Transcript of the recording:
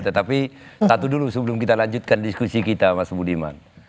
tetapi satu dulu sebelum kita lanjutkan diskusi kita mas budiman